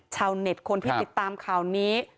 ชาวเน็ตคนที่ติดตามข่าวนี้